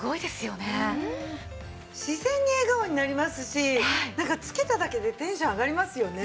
自然に笑顔になりますしなんか着けただけでテンション上がりますよね。